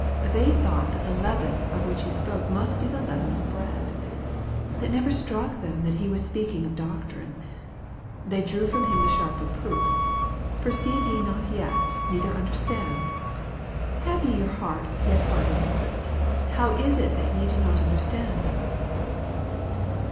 They thought that the " leaven" of which He spoke must be the leaven of bread. It never struck them that He was speaking of doctrine. They drew from Him the sharp reproof :" Perceive ye not yet, neither understand ? have ye your heart yet hardened ? How is it that ye do not understand